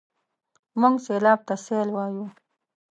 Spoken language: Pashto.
موږ سېلاب ته سېل وايو.